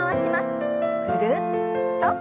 ぐるっと。